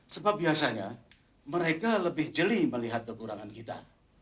sebab biasanya mereka lebih jeli melihat kekurangan kita